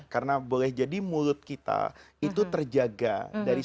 karena boleh jadi mulut kita itu terjaga dari sesuatu yang membatalkan puasa makan dan minum